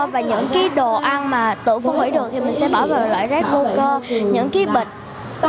và những cái đồ ăn mà tự phung hủy được thì mình sẽ bỏ vào loại rác vô cơ